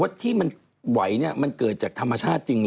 ที่มันไหวเนี่ยมันเกิดจากธรรมชาติจริงเหรอ